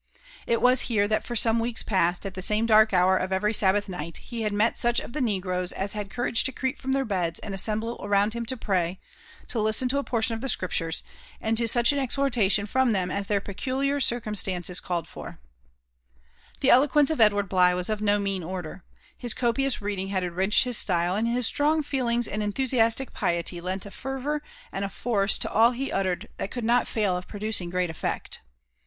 It was here that for some weeks past, at the same dark hour of every Sabbath night, he had met such of the Negroes as had courage to creep from their beds and as mnMe ^nwnA Urn to fmy, to liflten to a portion ef i)ie .Scoiptiiittib and to such an exhortation from him as fikek yacutinr orjainiiMWiW called for. Xhe eloquonee 4tf £dward Bligb was of no Bu^aa order. Bis co pious reading had ^luicheM^ his «tyle ; and Us st^^g feeliiigB aad a^^* thusiastic piety lent a fervour and a force to all he uttered that awW piot fail jA producing great effect.